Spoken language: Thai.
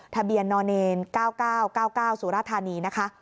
ทะเบียนน๙๙๙๙สุรธานี